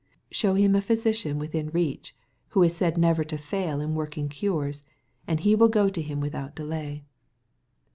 Show him a physician within reach, who is said never to fail in working cures, and he will go to him without delay.